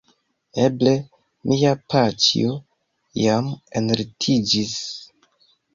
Eble mia paĉjo jam enlitiĝis."